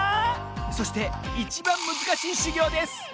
そしていちばんむずかしいしゅぎょうです